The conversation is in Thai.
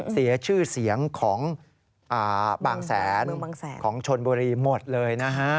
เสียชื่อเสียงของบางแสนของชนบุรีหมดเลยนะฮะ